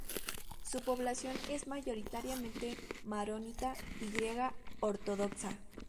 Su población es mayoritariamente maronita y griega ortodoxa.